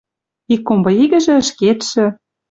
Ик комбы игӹжӹ ӹшкетшӹ